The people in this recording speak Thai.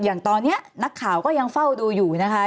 อย่างตอนนี้นักข่าวก็ยังเฝ้าดูอยู่นะคะ